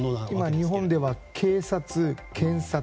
日本では警察、検察